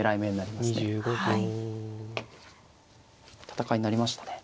戦いになりましたね。